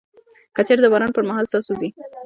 که چيري د باران پر مهال ستاسو په